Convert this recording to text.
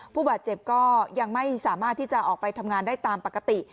ผู้บาดเจ็บก็ยังไม่สามารถที่จะออกไปทำงานได้ตามปกติ